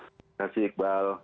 terima kasih iqbal